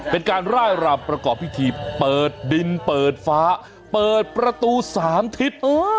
เป็นการร่ายรำประกอบพิธีเปิดดินเปิดฟ้าเปิดประตู๓ทิศ